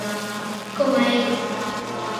Coma el.